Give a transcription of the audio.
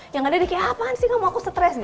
ya gak ada dikit apaan sih kamu aku stress gitu